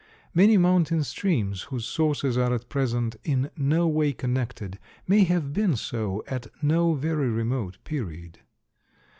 Many mountain streams whose sources are at present in no way connected may have been so at no very remote period.